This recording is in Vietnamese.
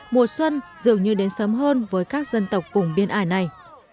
mùa xuân dường như đến sớm hơn với các dân tộc vùng biên ải này